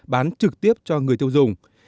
bán trực tiếp cho người tiêu dùng